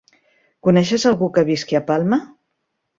Coneixes algú que visqui a Palma?